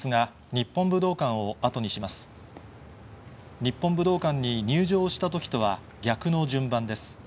日本武道館に入場したときとは逆の順番です。